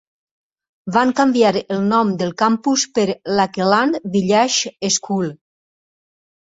Van canviar el nom del campus per Lakeland Village School.